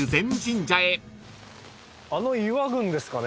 あの岩群ですかね？